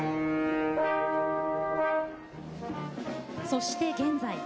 そして、現在。